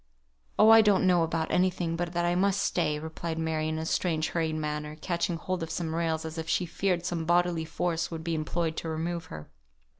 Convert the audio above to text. "Oh! I don't know about any thing but that I must stay," replied Mary, in a strange hurried manner, catching hold of some rails as if she feared some bodily force would be employed to remove her.